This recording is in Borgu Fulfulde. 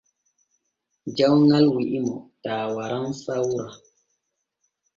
Jawŋal wi’imo taa waran sawra.